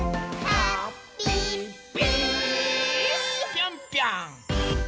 ぴょんぴょん！